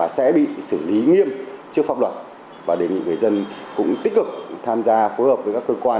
sẽ bị xử lý nghiêm trước pháp luật và đề nghị người dân cũng tích cực tham gia phối hợp với các cơ quan